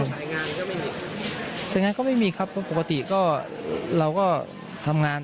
สายงานก็ไม่มีสายงานก็ไม่มีครับเพราะปกติก็เราก็ทำงาน